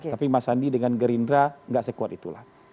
tapi mas sandi dengan gerindra nggak sekuat itulah